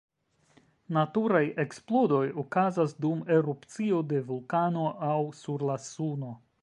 Naturaj eksplodoj okazas dum erupcio de vulkano aŭ sur la Suno.